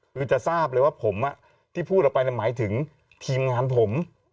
คือจะทราบเลยว่าผมที่พูดออกไปหมายถึงทีมงานผม